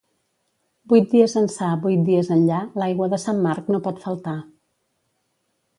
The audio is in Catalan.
Vuit dies ençà, vuit dies enllà, l'aigua de Sant Marc no pot faltar.